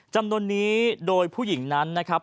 จำนวนนี้โดยผู้หญิงนั้นนะครับ